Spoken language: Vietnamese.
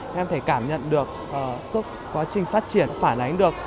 em thể cảm nhận được suốt quá trình phát triển phản ánh được